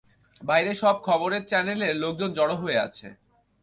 বাইরে সব খবরের চ্যানেলের লোকজন জড়ো হয়ে আছে।